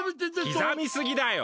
刻みすぎだよ！